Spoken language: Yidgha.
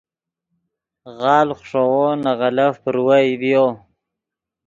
غالڤ خشوؤ نے غلف پروئے ڤیو